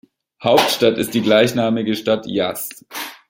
Hauptstadt ist die gleichnamige Stadt Yazd.